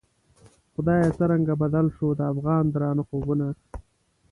خدایه څرنګه بدل شوو، د افغان درانه خوبونه